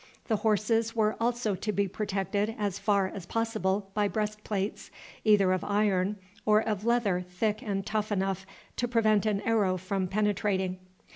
The horses were also to be protected as far as possible by breast plates, either of iron, or of leather thick and tough enough to prevent an arrow from penetrating.